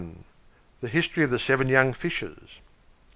THE HISTORY OF THE SEVEN YOUNG FISHES.